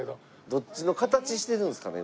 どっちの形してるんですかね？